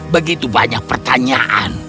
begitu banyak pertanyaan